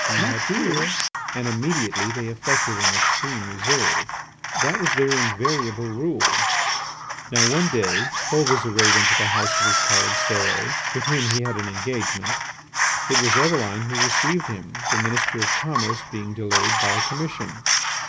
not here!" and immediately they affected an extreme reserve. That was their invariable rule. Now, one day, Paul Visire went to the house of his colleague Cérès, with whom he had an engagement. It was Eveline who received him, the Minister of Commerce being delayed by a commission.